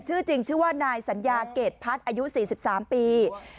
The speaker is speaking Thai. ชื่อจริงชื่อว่านายสัญญาเกรดพัฒน์อายุ๔๓ปี